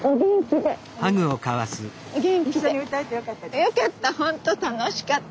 よかった！